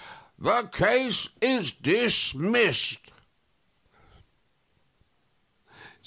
The case is dismissed."